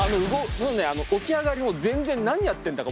もうね起き上がりも全然何やってんだか